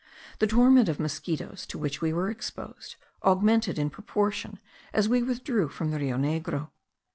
The torment of mosquitos, to which we were exposed, augmented in proportion as we withdrew from the Rio Negro.